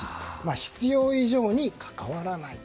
必要以上に関わらない。